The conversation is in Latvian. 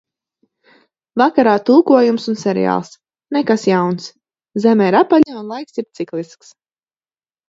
Vakarā tulkojums un seriāls. Nekas jauns. Zeme ir apaļa un laiks ir ciklisks.